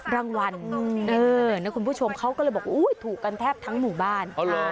รางวัลเออแล้วคุณผู้ชมเขาก็เลยบอกว่าอุ้ยถูกกันแทบทั้งหมู่บ้านอ๋อเหรอ